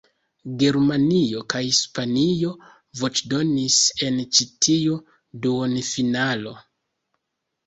Germanio kaj Hispanio voĉdonis en ĉi tiu duonfinalo.